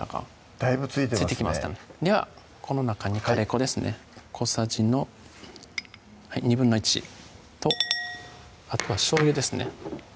だいぶ付いてますねではこの中にカレー粉ですね小さじの１／２とあとはしょうゆですね